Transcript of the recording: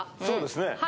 そうですね。